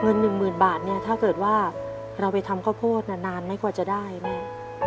หนึ่งหมื่นบาทเนี่ยถ้าเกิดว่าเราไปทำข้าวโพดนานไหมกว่าจะได้แม่